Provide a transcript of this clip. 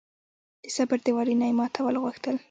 د صبر دېوالونه یې ماتول غوښتل.